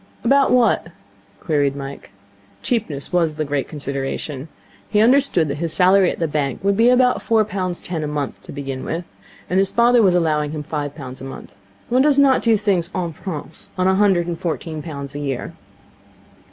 'About what?' queried Mike. Cheapness was the great consideration. He understood that his salary at the bank would be about four pounds ten a month, to begin with, and his father was allowing him five pounds a month. One does not do things en prince on a hundred and fourteen pounds a year.